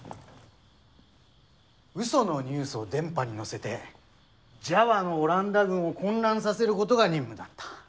うそのニュースを電波に乗せてジャワのオランダ軍を混乱させることが任務だった。